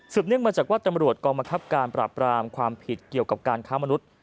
เนื่องมาจากว่าตำรวจกองบังคับการปราบรามความผิดเกี่ยวกับการค้ามนุษย์